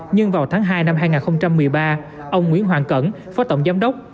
nhưng vào tháng hai năm hai nghìn một mươi ba ông nguyễn hoàng cẩn phó tổng giám đốc